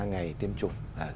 ngày tiêm chủng